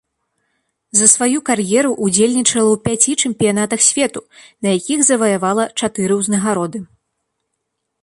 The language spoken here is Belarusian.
За сваю кар'еру ўдзельнічала ў пяці чэмпіянатах свету, на якіх заваявала чатыры ўзнагароды.